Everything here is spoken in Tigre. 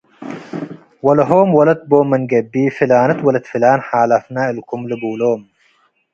ወለሆም ወለት ቦም ምን ገብእ፡ “ፍላነት ወለት ፍላን ሓለፍነ እልኩም” ልቡሎም ።